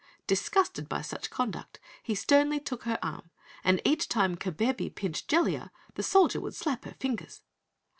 Disgusted by such conduct, he sternly took her arm, and each time Kabebe pinched Jellia, the Soldier would slap her fingers.